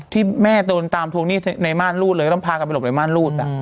ที่แม่ต้องตามธวงหนี้ต้องไปหลบในม่านรูด